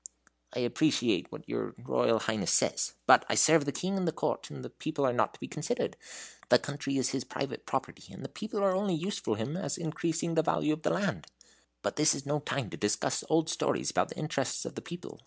"I appreciate what your Royal Highness says; but I serve the King and the Court, and the people are not to be considered. The country is his private property, and the people are only useful to him as increasing the value of the land. But this is no time to discuss the old story about the interests of the people.